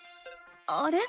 あれ？